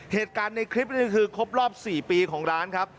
เหตุการณ์ในคลิปนี้คือครบรอบ๔ปีของร้านครับ